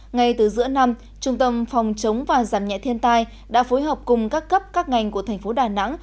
ngay từ giữa năm trung tâm phòng chống và giảm nhẹ thiên tai đã phối hợp cùng các cấp các ngành của thành phố đà nẵng